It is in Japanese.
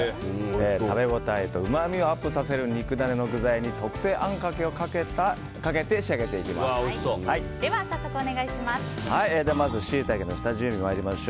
食べ応えとうまみをアップさせる肉ダネの具材に特製あんかけをかけてでは早速お願いします。